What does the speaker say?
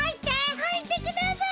入ってください！